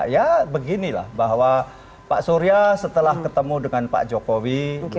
ya beginilah bahwa pak surya setelah ketemu dengan pak jokowi